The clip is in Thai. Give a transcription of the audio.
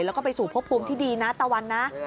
แล้วก็ไปสู่พบภูมิที่ดีนะตะวันนะ